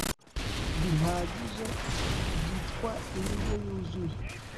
rihagije byitwaindyo yuzuye